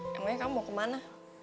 emangnya kamu mau kemana